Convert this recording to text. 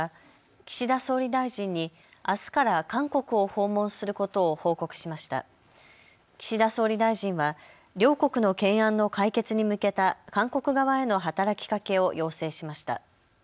岸田総理大臣は両国の懸案の解決に向けた韓国側への働きかけを要請しました。